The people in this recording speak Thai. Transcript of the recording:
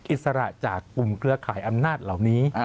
อิสระจากกลุ่มเครือข่ายอำนาจเหล่านี้